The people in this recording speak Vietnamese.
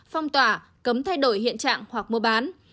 phong tỏa cấm thay đổi hiện trạng hoặc mua bán